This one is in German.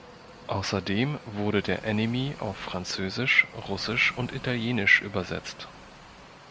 Außerdem wurde der Anime auf Französisch, Russisch und Italienisch übersetzt.